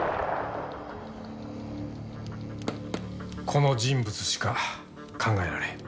この人物しか考えられへん。